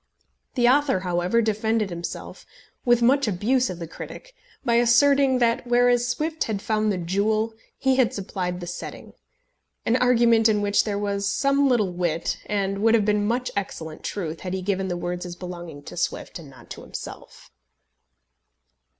The author, however, defended himself, with much abuse of the critic, by asserting, that whereas Swift had found the jewel he had supplied the setting; an argument in which there was some little wit, and would have been much excellent truth, had he given the words as belonging to Swift and not to himself.